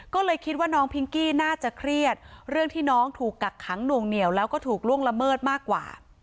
ก็เลยคิดว่าน้องพิงกี้น่าจะเครียดเรื่องที่น้องถูกกักขังหน่วงเหนียวแล้วก็ถูกล่วงละเมิดมากกว่า